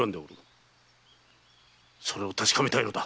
それを確かめたいのだ。